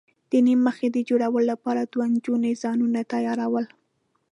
د نیم مخي د جوړولو لپاره دوو نجونو ځانونه تیاراول.